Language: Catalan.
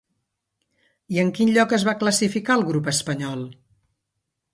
I en quin lloc es va classificar el grup espanyol?